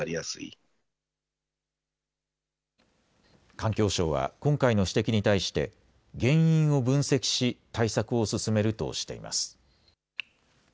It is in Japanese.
環境省は、今回の指摘に対して、原因を分析し、対策を進めるとしています。